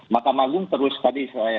mahkamah agung terus tadi